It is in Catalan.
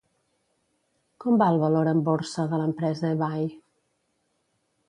Com va el valor en borsa de l'empresa eBay?